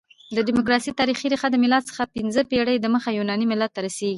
د ډیموکراسۍ تاریخي ریښه د مېلاد څخه پنځه پېړۍ دمخه يوناني ملت ته رسیږي.